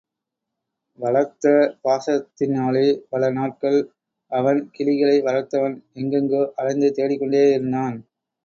வளர்த்த பாசத்தினாலே — பல நாட்கள் — அவன் — கிளிகளை வளர்த்தவன்—எங்கெங்கோ அலைந்து தேடிக் கொண்டேயிருந்தான்.